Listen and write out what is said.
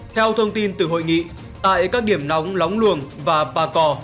theo thông tin từ hội nghị tại các điểm nóng lóng luồng và bà cò